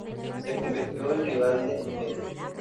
Se convirtió en rival de Beria.